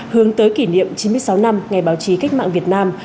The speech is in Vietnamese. hướng tới kỷ niệm chín mươi sáu năm ngày báo chí cách mạng việt nam